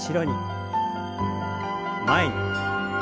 前に。